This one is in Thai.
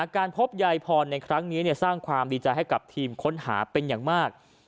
การพบยายพรในครั้งนี้สร้างความดีใจให้กับทีมค้นหาเป็นอย่างมาก